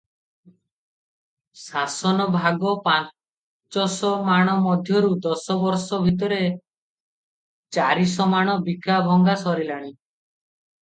ଶାସନ ଭାଗ ପାଞ୍ଚଶ ମାଣ ମଧ୍ୟରୁ ଦଶ ବର୍ଷ ଭିତରେ ଚାରିଶ ମାଣ ବିକା ଭଙ୍ଗା ସରିଲାଣି ।